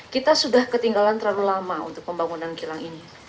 kita sudah ketinggalan terlalu lama untuk pembangunan kilang ini